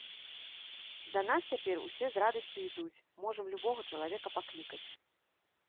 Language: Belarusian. Да нас цяпер усе з радасцю ідуць, можам любога чалавека паклікаць.